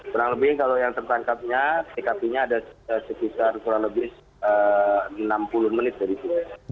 kurang lebih kalau yang tertangkapnya tkp nya ada sekitar kurang lebih enam puluh menit dari sini